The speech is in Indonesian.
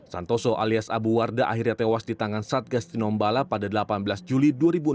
santoso alias abu warda akhirnya tewas di tangan satgas tinombala pada delapan belas juli dua ribu enam belas